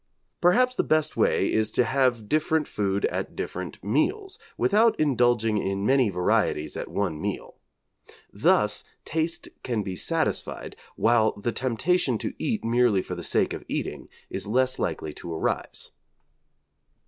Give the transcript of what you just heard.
Perhaps the best way is to have different food at different meals, without indulging in many varieties at one meal. Thus taste can be satisfied, while the temptation to eat merely for the sake of eating is less likely to arise.